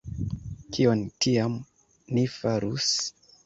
Kion tiam ni farus?